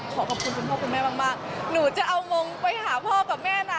ขอบคุณคุณพ่อคุณแม่มากหนูจะเอางงไปหาพ่อกับแม่นะ